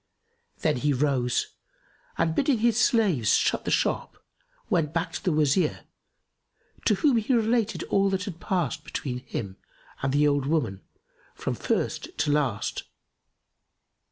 Then he rose and bidding his slaves shut the shop, went back to the Wazir, to whom he related all that had passed between him and the old woman, from first to last.